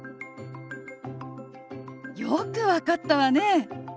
よく分かったわね。